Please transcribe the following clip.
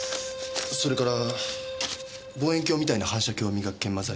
それから望遠鏡みたいな反射鏡を磨く研磨剤。